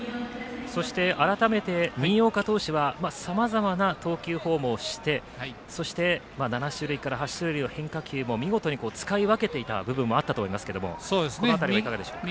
そして改めて新岡投手はさまざまな投球フォームをしてそして７種類から８種類の変化球を見事に使い分けていた部分もあったと思いますけどこの辺りはいかがでしょうか。